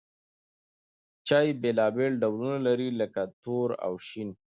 چای بېلابېل ډولونه لري لکه تور او شین.